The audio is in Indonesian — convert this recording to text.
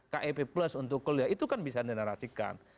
kep plus untuk kuliah itu kan bisa menarasikan